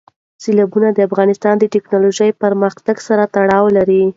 سیلابونه د افغانستان د تکنالوژۍ پرمختګ سره تړاو لري.